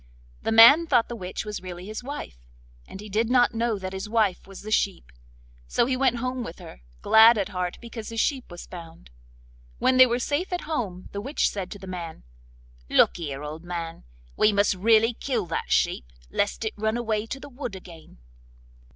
The man thought the witch was really his wife, and he did not know that his wife was the sheep; so he went home with her, glad at heart because his sheep was found. When they were safe at home the witch said to the man: 'Look here, old man, we must really kill that sheep lest it run away to the wood again.